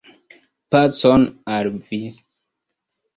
Pacon al vi.